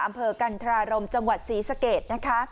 อำเภอกันทรารมจังหวัดศรีสะเกดนะคะ